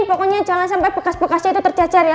pokoknya jangan sampai bekas bekasnya itu terjajar ya